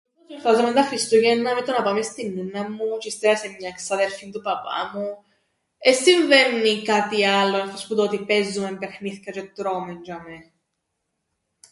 Γιορτάζουμεν τα Χριστούγεννα με το να πάμεν στην νούνναν μου τζ̆’ ύστερα σε μιαν ξάδερφην του παπά μου, εν συμβαίννει κάτι άλλον εχτός που το ότι παίζουμεν παιχνίθκια τζ̆αι τρώμεν τζ̆ειαμαί.